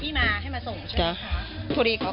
ปลาส้มกลับมาถึงบ้านโอ้โหดีใจมาก